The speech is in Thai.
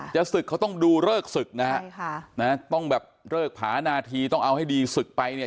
จะศึกเขาต้องดูเลิกศึกนะฮะต้องแบบเลิกผานาทีต้องเอาให้ดีศึกไปเนี่ย